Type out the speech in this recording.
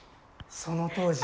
その当時。